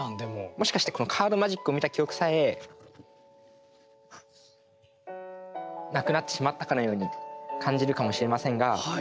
もしかしてこのカードマジックを見た記憶さえなくなってしまったかのように感じるかもしれませんが。